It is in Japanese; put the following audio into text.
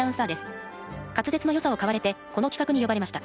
滑舌のよさを買われてこの企画に呼ばれました。